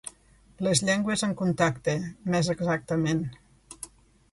Les llengües en contacte, més exactament.